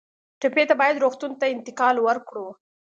ټپي ته باید روغتون ته انتقال ورکړو.